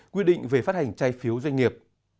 quy định về phát hành trái phiếu doanh nghiệp